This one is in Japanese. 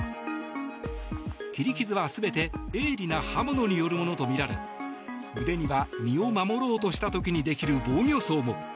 切り傷は全て鋭利な刃物によるものとみられ腕には、身を守ろうとした時にできる防御創も。